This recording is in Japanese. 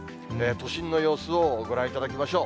都心の様子をご覧いただきましょう。